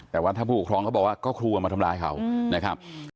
แต่ว่าถ้าผู้ปกครองเขาบอกว่าก็ครูเอามาทำร้ายเขานะครับ